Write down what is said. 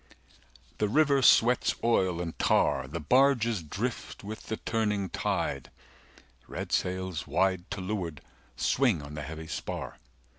265 The river sweats Oil and tar The barges drift With the turning tide Red sails 270 Wide To leeward, swing on the heavy spar.